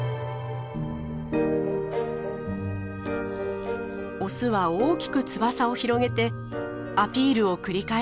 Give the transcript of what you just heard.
オスは大きく翼を広げてアピールを繰り返します。